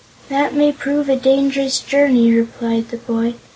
"That may prove a dangerous journey," replied the boy.